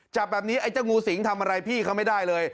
จับแบบนี้ไอ้เจ้างูสิงทำอะไรพี่เขาไม่ได้เลย